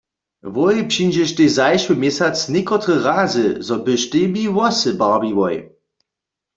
Wój přińdźeštej zašły měsac někotre razy, zo byštej mi włosy barbiłoj.